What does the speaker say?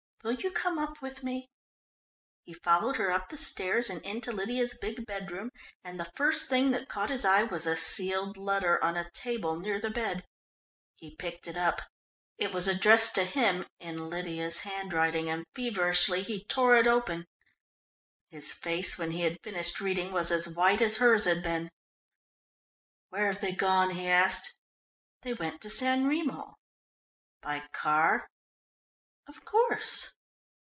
Will you come up with me?" He followed her up the stairs and into Lydia's big bedroom, and the first thing that caught his eye was a sealed letter on a table near the bed. He picked it up. It was addressed to him, in Lydia's handwriting, and feverishly he tore it open. His face, when he had finished reading, was as white as hers had been. "Where have they gone?" he asked. "They went to San Remo." "By car?" "Of course."